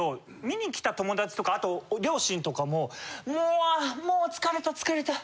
見に来た友達とかあと両親とかも「もうもう疲れた疲れた。